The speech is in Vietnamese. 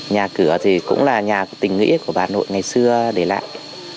nhà cửa thì cũng là nhà tình nghĩa của bà nội ngày xưa để lại